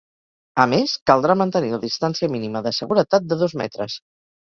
A més, caldrà mantenir la distància mínima de seguretat de dos metres.